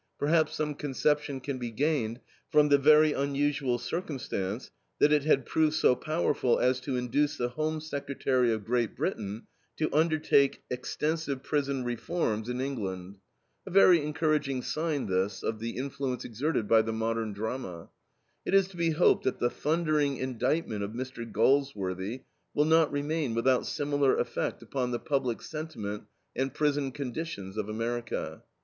Perhaps some conception can be gained from the very unusual circumstance that it had proved so powerful as to induce the Home Secretary of Great Britain to undertake extensive prison reforms in England. A very encouraging sign this, of the influence exerted by the modern drama. It is to be hoped that the thundering indictment of Mr. Galsworthy will not remain without similar effect upon the public sentiment and prison conditions of America.